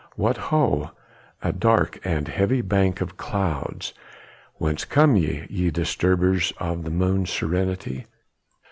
What ho! a dark and heavy bank of clouds! whence come ye, ye disturbers of the moon's serenity?